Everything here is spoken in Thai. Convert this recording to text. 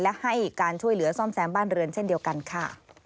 และให้การช่วยเหลือซ่อมแซมบ้านเรือนเช่นเดียวกันค่ะ